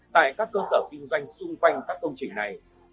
tại các cơ sở kinh doanh xung quanh các công trình này